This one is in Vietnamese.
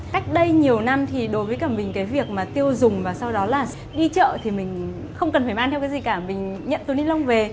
cách đây nhiều năm thì đối với cả mình cái việc mà tiêu dùng và sau đó là đi chợ thì mình không cần phải mang theo cái gì cả mình nhận túi ni lông về